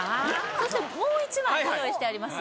そしてもう一枚ご用意してあります